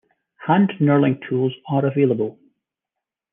Hand knurling tools are available.